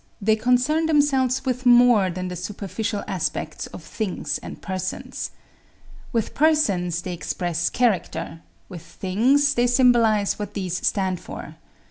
They concern themselves with more than the superficial aspect of things and persons. With persons they express character; with things they symbolize what these stand for.